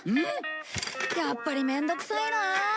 やっぱりめんどくさいなあ。